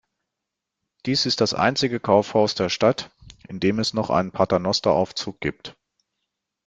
Dies ist das einzige Kaufhaus der Stadt, in dem es noch einen Paternosteraufzug gibt.